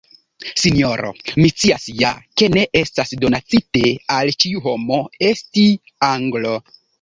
sinjoro, mi scias ja, ke ne estas donacite al ĉiu homo, esti Anglo.